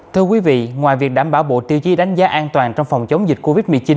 thưa quý vị ngoài việc đảm bảo bộ tiêu chí đánh giá an toàn trong phòng chống dịch covid một mươi chín